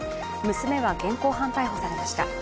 娘は現行犯逮捕されました。